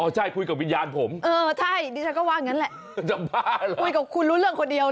ใช่คุยกับวิญญาณผมเออใช่ดิฉันก็ว่างั้นแหละคุยกับคุณรู้เรื่องคนเดียว